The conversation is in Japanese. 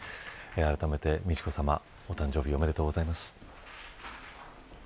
あらためて美智子さまお誕生日おめでとうございます。